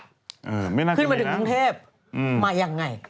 ไม่น่าจะเห็นนะขึ้นมาถึงกรุงเทพมายังไง